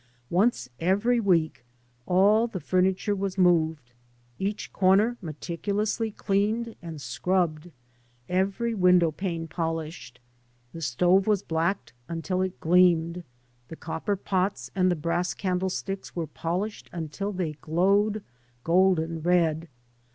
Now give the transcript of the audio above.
Once every week all the furniture " was moved, each corner meticulously cleaned and scrubbed, every window pane polished. The stove was blacked until it gleamed, the copper pots and the brass candle sticks were polished until they glowed golden red.